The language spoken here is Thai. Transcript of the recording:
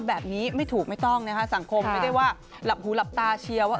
แบบนี้ไม่ถูกไม่ต้องนะคะสังคมไม่ได้ว่าหลับหูหลับตาเชียร์ว่า